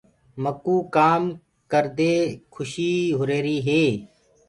مڪوُ ڪآم ڪردي کُشي هوريري هي۔